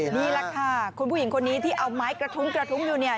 นี่แหละค่ะคุณผู้หญิงคนนี้ที่เอาไม้กระทุ้งกระทุ้งอยู่เนี่ย